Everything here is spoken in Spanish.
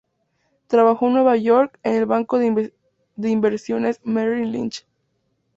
Trabajó en Nueva York, en el banco de inversiones Merrill Lynch.